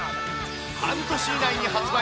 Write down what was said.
半年以内に発売！